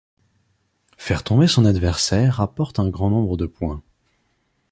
Faire tomber son adversaire rapporte un grand nombre de points.